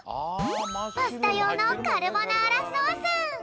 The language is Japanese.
パスタようのカルボナーラソース！